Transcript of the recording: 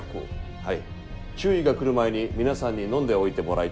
はい。